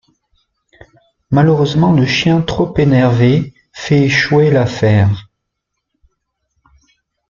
Malheureusement, le chien, trop énervé, fait échouer l'affaire.